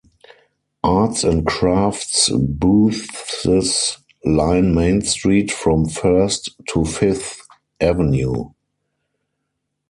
Arts and crafts booths line Main Street from First to Fifth Avenue.